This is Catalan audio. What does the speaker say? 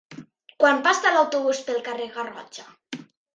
Quan passa l'autobús pel carrer Garrotxa?